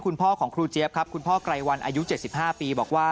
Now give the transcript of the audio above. คุณพ่อของครูเจี๊ยบครับคุณพ่อไกรวันอายุ๗๕ปีบอกว่า